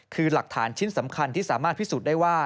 คือหลักฐานชิ้นสำคัญที่สามารถพิสูจน์ได้ว่า